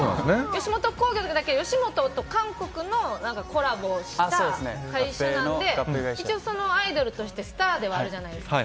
でも、吉本と韓国のコラボした会社なので、そのアイドルとしてスターではあるじゃないですか。